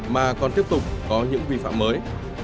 mà còn tiếp tục có những vi phạm mới